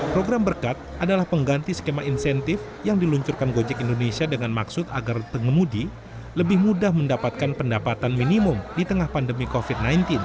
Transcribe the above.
program berkat adalah pengganti skema insentif yang diluncurkan gojek indonesia dengan maksud agar pengemudi lebih mudah mendapatkan pendapatan minimum di tengah pandemi covid sembilan belas